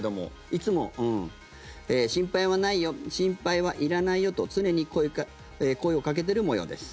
いつも心配はないよ心配はいらないよと常に声をかけている模様です。